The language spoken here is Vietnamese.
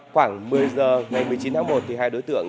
khoảng một mươi h ngày một mươi chín tháng một thì hai đối tượng